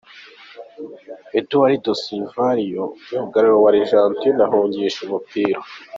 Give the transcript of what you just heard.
Eduardo Salvio myugariro wa Argentina ahungisha umupira .